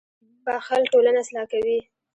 • بښل ټولنه اصلاح کوي.